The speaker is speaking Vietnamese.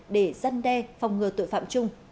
để giăn đe phòng ngừa tội phạm chung